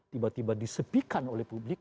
tiba tiba disepikan oleh publik